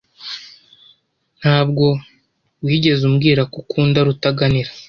Ntabwo wigeze umbwira ko ukunda Rutaganira.